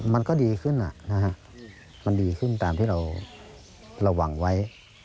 มันก็ดีขึ้นมันดีขึ้นตามที่เราระวังไว้